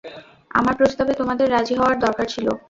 আমার প্রস্তাবে তোমাদের রাজি হওয়ার দরকার ছিল।